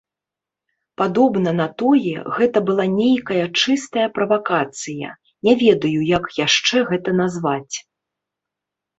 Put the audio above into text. Падобна на тое, гэта была нейкая чыстая правакацыя, не ведаю, як яшчэ гэта назваць.